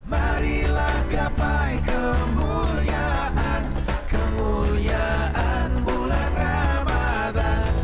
marilah gapai kemuliaan kemuliaan bulan ramadhan